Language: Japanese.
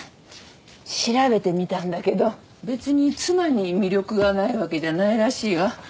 調べてみたんだけど別に妻に魅力がないわけじゃないらしいわ。